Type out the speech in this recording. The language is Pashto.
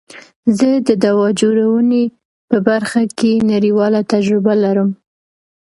زه د دوا جوړونی په برخه کی نړیواله تجربه لرم.